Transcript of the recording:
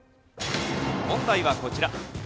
問題はこちら。